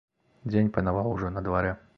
Дзень панаваў ужо на дварэ.